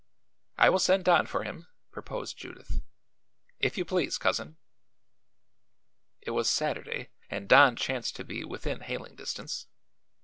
"I will send Don for him," proposed Judith. "If you please, Cousin." It was Saturday and Don chanced to be within hailing distance.